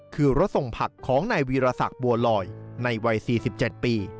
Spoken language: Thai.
คือรถส่งผักของนายวีรศักดิ์บัวลอยในวัย๔๗ปี